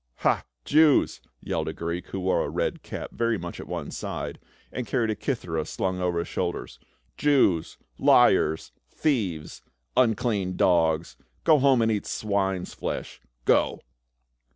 "Ha, Jews !" yelled a Greek, who wore a red cap very much at one side, and carried a kithera slung over his shoulder. "Jews — liars — thieves — unclean dogs ! Go home and eat swine's flesh — Go